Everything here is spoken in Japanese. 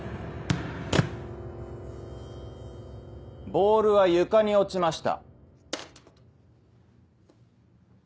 ボールは床に落ちました。